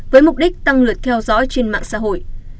với mục đích tăng lượt theo dõi trên mạng xã hội